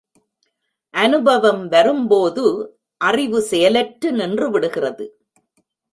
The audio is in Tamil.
அநுபவம் வரும்போது அறிவு செயலற்று நின்றுவிடுகிறது.